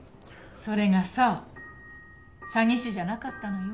それがさ詐欺師じゃなかったのよ